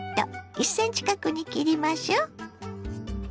１ｃｍ角に切りましょ。